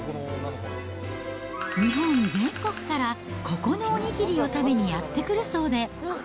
日本全国からここのお握りを食べにやって来るそうで。